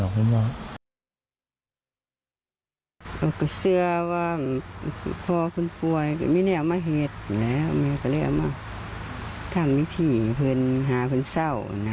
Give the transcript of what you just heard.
ก็ไม่ได้เอามาเหตุแล้วแม่ก็เลยเอามาทำพิธีเพื่อนหาเพื่อนเศร้านะ